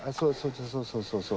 そうそうそうそう。